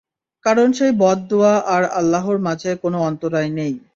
কারণ সেই বদ দুআ আর আল্লাহর মাঝে কোন অন্তরায় নেই।